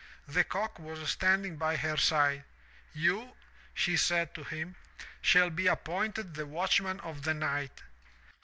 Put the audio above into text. The cock was standing by her side. 'You,' she said to him, 'shall be appointed the watchman of the night.